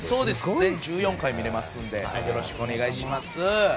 全１４回見れますのでよろしくお願いします。